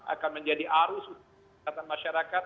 akan menjadi arus utama masyarakat